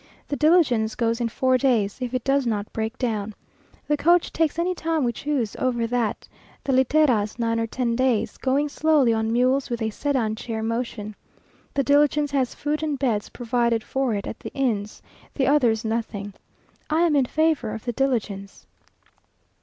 The diligence goes in four days, if it does not break down. The coach takes any time we choose over that; the literas nine or ten days, going slowly on mules with a sedan chair motion. The diligence has food and beds provided for it at the inns the others nothing. I am in favour of the diligence.